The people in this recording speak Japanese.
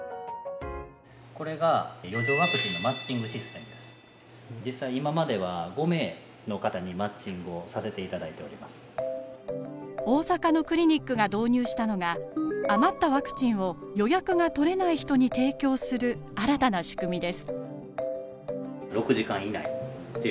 これが大阪のクリニックが導入したのが余ったワクチンを予約が取れない人に提供する新たな仕組みです。